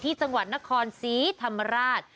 ที่จังหวัดนครศรีธรรมราช